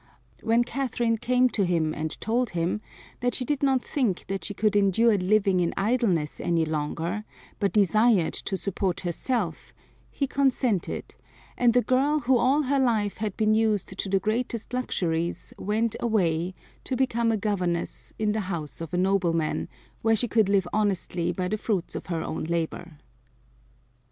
When Catherine came to him and told him that she did not think that she could endure living in idleness any longer, but desired to support herself, he consented, and the girl who all her life had been used to the greatest luxuries went away to become a governess in the house of a nobleman, where she could live honestly by the fruits of her own labor.